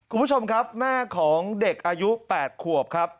คุณผู้ชมครับแม่ของเด็กอายุ๘ขวบครับ